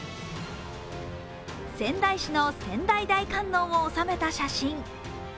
仙台市の仙台大観音を収めた写真。